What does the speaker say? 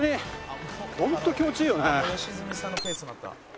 「良純さんのペースになった」